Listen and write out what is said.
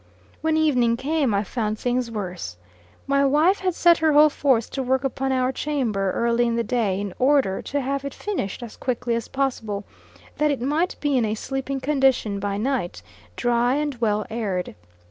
When evening came, I found things worse. My wife had set her whole force to work upon our chamber, early in the day, in order to have it finished as quickly as possible, that it might be in a sleeping condition by night dry and well aired.